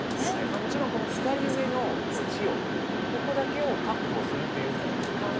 もちろん左上の地をここだけを確保するという考え方もあるんですが。